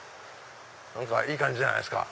何かいい感じじゃないですか。